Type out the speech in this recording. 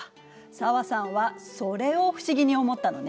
紗和さんはそれを不思議に思ったのね。